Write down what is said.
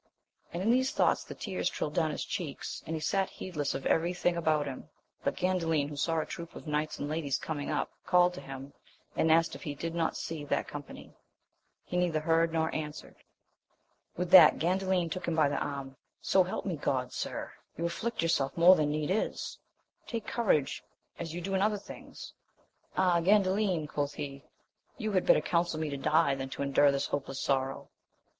And in these thoughts the tears trilled down his cheeks, and he sat heedless of every thing about him. But Gandalin, who saw a troop of knights and ladies coming up, called to him, and asked if he did not see that com pany? he neither heard nor answered. With that * A sword combat with the same knights, who followed to revenge themselves, is omitted. AMADIS OF GAUL: 87 Gandalin took him by the arm, — So help me God, sir, you afflict yourself more than need is ; take courage as you do in other things ! Ah, Gandalin, quoth he, you had better counsel me to die, than to endure this hopeless sorrow